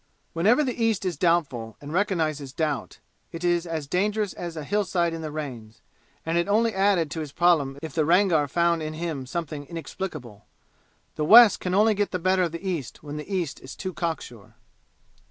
Whenever the East is doubtful, and recognizes doubt, it is as dangerous as a hillside in the rains, and it only added to his problem if the Rangar found in him something inexplicable. The West can only get the better of the East when the East is too cock sure.